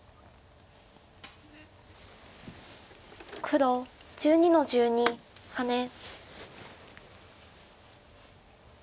黒１２の十二ハネ。